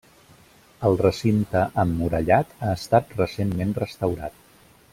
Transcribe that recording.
El recinte emmurallat ha estat recentment restaurat.